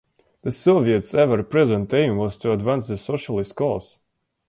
The Soviets' ever-present aim was to advance the socialist cause.